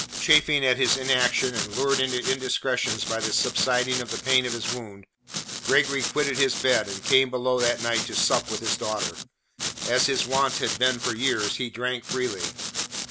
Chafing at his inaction and lured into indiscretions by the subsiding of the pain of his wound, Gregory quitted his bed and came below that night to sup with his daughter. As his wont had been for years, he drank freely.